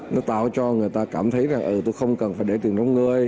nó tạo cho người ta cảm thấy là ừ tôi không cần phải để tiền trong người